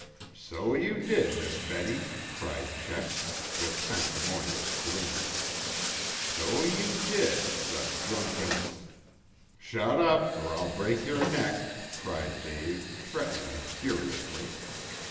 "So you did, Miss Betty," cried Checks, with sanctimonious spleen. "So you did the drunken " "Shut up, or I'll break your neck!" cried Dave, threatening him furiously.